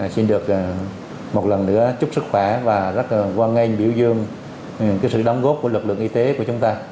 xin được một lần nữa chúc sức khỏe và rất hoan nghênh biểu dương sự đóng góp của lực lượng y tế của chúng ta